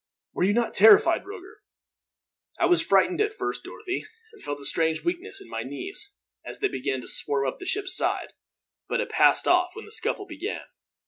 "Were you not terrified, Roger?" "I was frightened at first, Dorothy, and felt a strange weakness in my knees, as they began to swarm up the ship's side; but it passed off when the scuffle began.